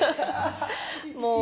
もう！